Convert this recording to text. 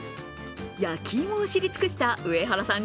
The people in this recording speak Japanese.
焼き芋を知り尽くした上原さん